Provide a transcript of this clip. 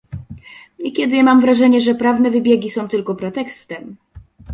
Niekiedy mam wrażenie, że prawne wybiegi są tylko pretekstem